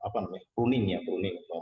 pruning ya pruning atau